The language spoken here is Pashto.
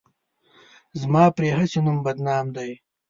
زما پرې هسې نوم بدنام دی.